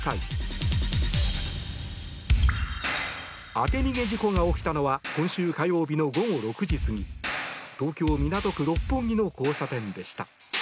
当て逃げ事故が起きたのは今週火曜日の午後６時過ぎ東京・港区六本木の交差点でした。